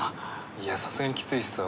いやさすがにきついですよ